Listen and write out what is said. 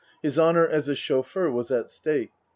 His honour as a chauffeur was at stake.